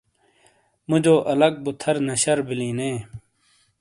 مُوجو الگ بو تھر نشر بیلن نے۔